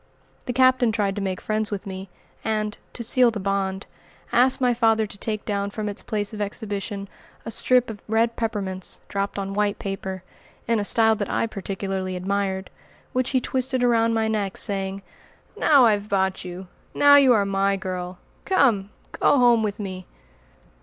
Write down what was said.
The Captain tried to make friends with me, and, to seal the bond, asked my father to take down from its place of exhibition a strip of red peppermints dropped on white paper, in a style I particularly admired, which he twisted around my neck, saying, "Now I've bought you! Now you are my girl. Come, go home with me!"